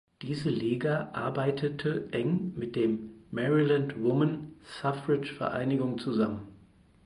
Diese Liga arbeitete eng mit dem Maryland Woman Suffrage Vereinigung zusammen.